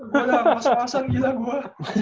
gue udah arus arusan gila gue